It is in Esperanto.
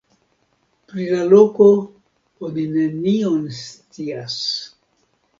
Pri la loko oni nenion scias.